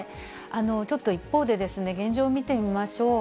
ちょっと一方で、現状見てみましょう。